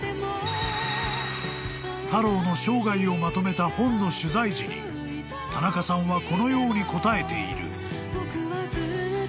［タローの生涯をまとめた本の取材時に田中さんはこのように答えている］